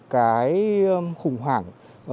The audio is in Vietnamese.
cái khủng hoảng